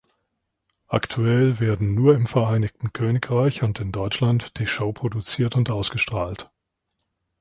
Aktuell werden nur im Vereinigten Königreich und in Deutschland die Show produziert und ausgestrahlt.